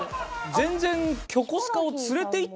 全然。